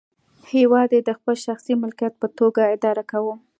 هېواد یې د خپل شخصي ملکیت په توګه اداره کاوه.